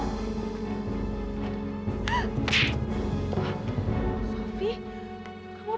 tapi inilah imbalan yang diizinkanmu